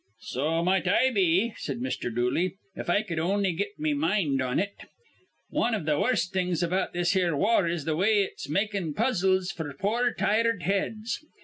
"So might I be," said Mr. Dooley, "if I cud on'y get me mind on it. Wan iv the worst things about this here war is th' way it's makin' puzzles f'r our poor, tired heads.